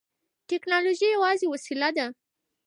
ټیکنالوژي یوازې وسیله ده.